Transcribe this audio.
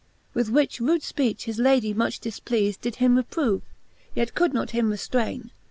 With which rude fpeach his Lady much difpleafed, Did him reprove, yet could him not reftrayne.